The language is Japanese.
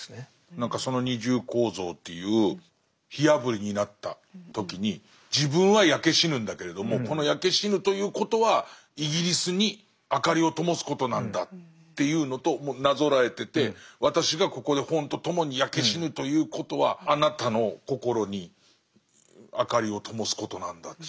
何かその二重構造という火あぶりになった時に自分は焼け死ぬんだけれどもこの焼け死ぬということはイギリスに明かりを灯すことなんだっていうのとなぞらえてて私がここで本とともに焼け死ぬということはあなたの心に明かりを灯すことなんだということですか。